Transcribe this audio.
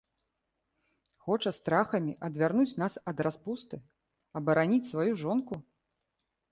Хоча страхамі адвярнуць нас ад распусты, абараніць сваю жонку?